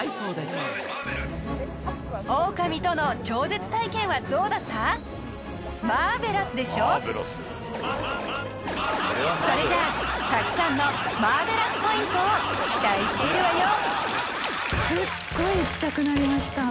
これはマーベラスだよそれじゃあたくさんのマーベラスポイントを期待しているわよ